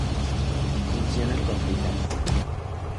Funcionan con pilas.